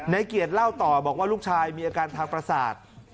ในเกียรติเล่าต่อบอกว่าลูกชายมีอาการทางประสาท